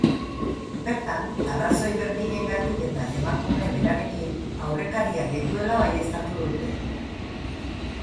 Bertan, arrazoi berdinengatik eta emakume berarekin, aurrekariak dituela baieztatu dute.